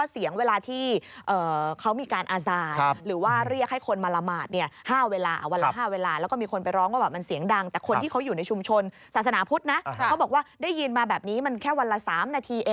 ศาสนาพุทธเขาบอกว่าได้ยินมาแบบนี้มันแค่วันละ๓นาที